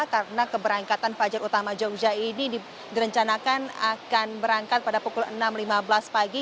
karena keberangkatan fajar utama jogja ini direncanakan akan berangkat pada pukul enam lima belas pagi